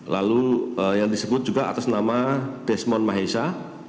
lalu yang disebut juga atas nama desmond mahesa